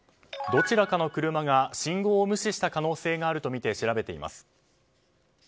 どちらかの車が信号を無視した可能性があるとみて、調べています。